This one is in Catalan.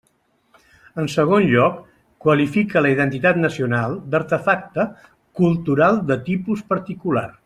En segon lloc, qualifica la identitat nacional d'artefacte «cultural de tipus particular».